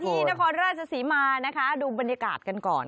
ที่นครรัชสีมาร์ดูบรรยากาศกันก่อน